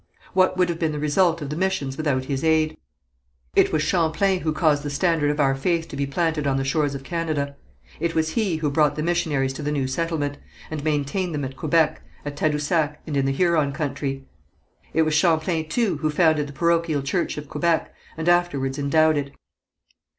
What would have been the result of the missions without his aid? It was Champlain who caused the standard of our faith to be planted on the shores of Canada. It was he who brought the missionaries to the new settlement, and maintained them at Quebec, at Tadousac, and in the Huron country. It was Champlain, too, who founded the parochial church of Quebec, and afterwards endowed it.